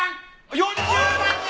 ４０万円！